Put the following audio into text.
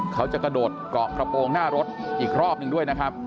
เขาจะกระโดดเกาะกระโปรงหน้ารถอีกรอบหนึ่งด้วยนะครับ